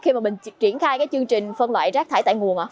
khi mà mình triển khai cái chương trình phân loại rác thải tại nguồn ạ